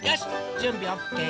じゅんびオッケー！